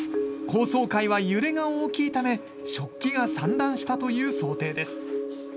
高層階は揺れが大きいため食器が散乱したという想定です。